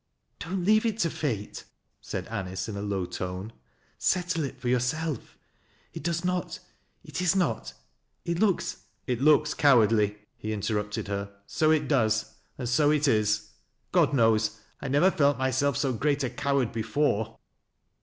"Don't leave it to Fate," said Anice in a low tono. 10 «218 TMAT LASS 0' LOWBISPB. "Settle it for yourself. It does not — it is not — il looks "" It looks cowardly," he interrupted her. " So it does, and so it is. God knows I never felt myself so great a coward before